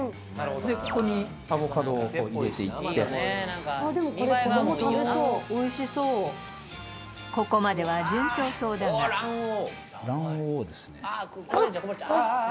ここにアボカドを入れていってああでもこれここまでは順調そうだが卵黄をですね